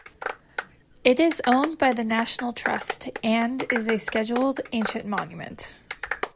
It is owned by the National Trust, and is a Scheduled Ancient Monument.